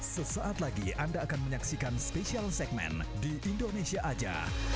sesaat lagi anda akan menyaksikan spesial segmen di indonesia aja